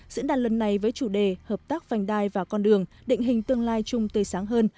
diễn đàn lần này với chủ đề hợp tác vành đai và con đường định hình tương lai chung tươi sáng hơn